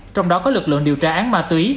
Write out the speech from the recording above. trong đó có lực lượng điều tra án ma túy